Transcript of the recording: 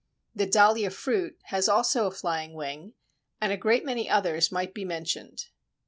The Dahlia fruit has also a flying wing, and a great many others might be mentioned.